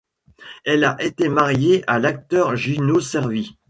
Elle a été mariée à l'acteur Gino Cervi.